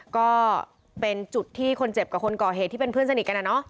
ก็เป็นจุดที่คนเจ็บกับคนก่อเหตุที่เป็นเพื่อนสนิทกันอะเนาะ